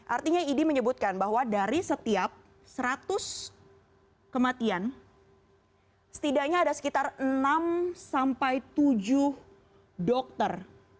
artinya idi menyebutkan bahwa dari setiap seratus kematian setidaknya ada sekitar enam sampai tujuh dokter